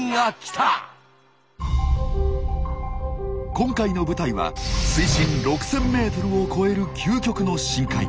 今回の舞台は水深６０００ｍを超える究極の深海。